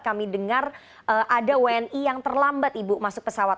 kami dengar ada wni yang terlambat ibu masuk pesawat